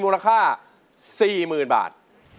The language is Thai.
ราคา๔๐๐๐๐บาท